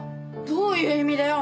どういう意味だよ？